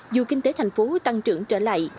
dù kinh tế thành phố tăng trưởng trở lại